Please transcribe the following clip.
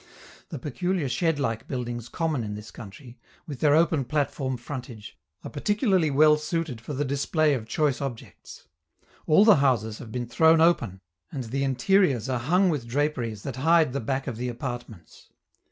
The peculiar shed like buildings common in this country, with their open platform frontage, are particularly well suited for the display of choice objects; all the houses have been thrown open, and the interiors are hung with draperies that hide the back of the apartments.